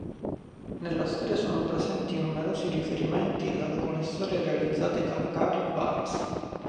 Nella storia sono presenti numerosi riferimenti ad alcune storie realizzate da Carl Barks.